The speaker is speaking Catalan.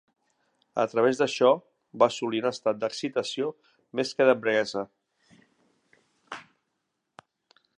A través d'això va assolir un estat d'excitació més que d'embriaguesa.